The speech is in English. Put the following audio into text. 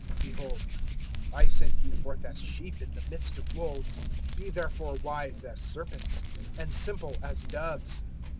(16)Behold, I send you forth as sheep in the midst of wolves; be therefore wise as serpents, and simple as doves.